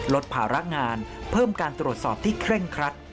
ลดภาระงานเพิ่มการตรวจสอบที่เคร่งครัด